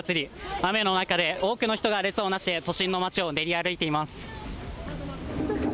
雨の中で多くの人が列をなして都心の街を練り歩いています。